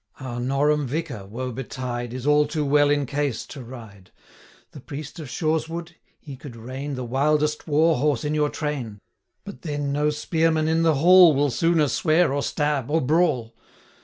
Our Norham vicar, woe betide, 340 Is all too well in case to ride; The priest of Shoreswood he could rein The wildest war horse in your train; But then, no spearman in the hall Will sooner swear, or stab, or brawl.